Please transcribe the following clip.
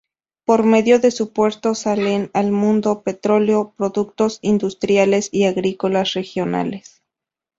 Por medio de su puerto salen al mundo petróleo, productos industriales y agrícolas regionales.